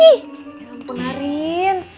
ih ya ampun lah rin